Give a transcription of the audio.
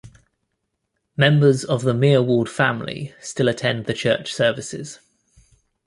Members of the Meerwald family still attend the church services.